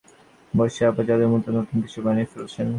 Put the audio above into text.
মনে হতো, রসায়নের গবেষণাগারে বসে আপা জাদুর মতো নতুন কিছু বানিয়ে ফেলছেন।